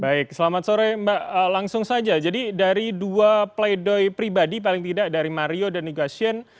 baik selamat sore mbak langsung saja jadi dari dua play doh pribadi paling tidak dari mario dan nighasien